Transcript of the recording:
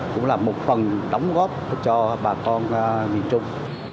cũng là một phần đóng góp cho bà con miền trung